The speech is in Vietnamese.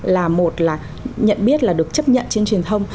là một là nhận biết là được chấp nhận trên truyền thông